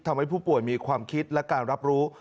ทำให้ผู้ป่วยมีความคิดและการรับรู้